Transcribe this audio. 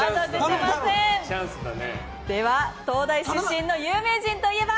東大出身の有名人といえば。